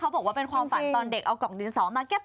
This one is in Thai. บอกว่าเป็นความฝันตอนเด็กเอากล่องดินสอมาแก๊ป